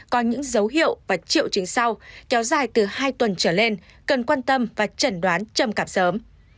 có những dấu hiệu và triệu chứng sau kéo dài từ hai tuần trở lên cần quan tâm và chẩn đoán trầm cảm sớm